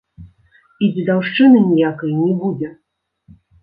І дзедаўшчыны ніякай не будзе.